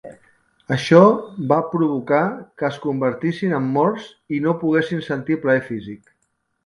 Això va provocar que es convertissin en morts i no poguessin sentir plaer físic.